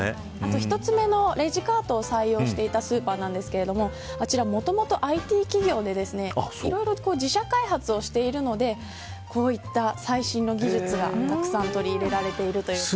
１つ目のレジカートを採用したスーパーですけどあちら、もともとＩＴ企業でいろいろ自社開発をしてるのでこういった最新の技術がたくさん取り入れられているということです。